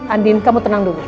andin kamu tenang dulu